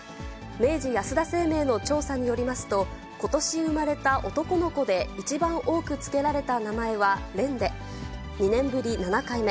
明治安田生命の調査によりますと、ことし生まれた男の子で一番多く付けられた名前は蓮で、２年ぶり７回目。